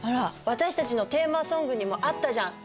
私たちのテーマソングにもあったじゃん。